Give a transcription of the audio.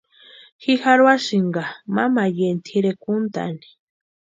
Ji jarhuasïnka mamayeni tʼirekwa úntani.